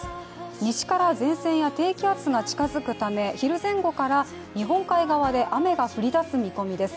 西から前線や低気圧が近づくため昼前後から日本海側で雨が降りだす見込みです